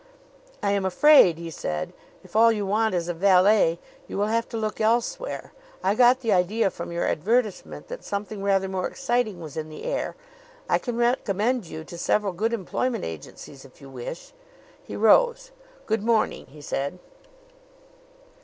"I am afraid," he said, "if all you want is a valet, you will have to look elsewhere. I got the idea from your advertisement that something rather more exciting was in the air. I can recommend you to several good employment agencies if you wish." He rose. "Good morning!" he said.